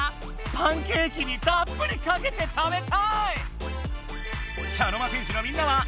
パンケーキにたっぷりかけて食べたい！